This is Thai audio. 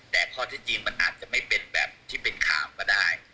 แต่ข้อที่จริงมันอาจจะไม่เป็นแบบที่เป็นข่าวก็ได้